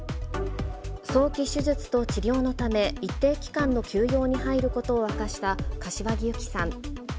早期手術と治療のため、一定期間の休養に入ることを明かした柏木由紀さん。